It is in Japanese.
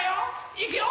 いくよ！